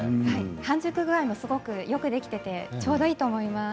半熟具合もすごくよくできててちょうどいいと思います。